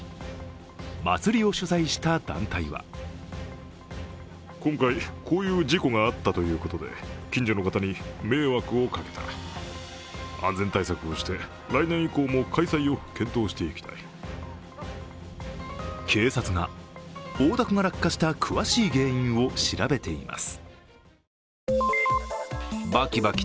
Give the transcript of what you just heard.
祭りを主催した団体は警察が大凧が落下した詳しい原因を調べています。